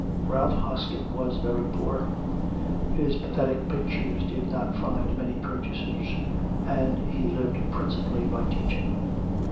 Ralph Hoskin was very poor: his pathetic pictures did not find many purchasers, and he lived principally by teaching.